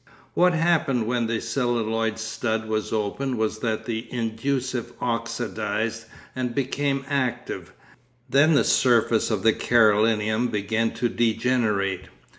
What happened when the celluloid stud was opened was that the inducive oxidised and became active. Then the surface of the Carolinum began to degenerate.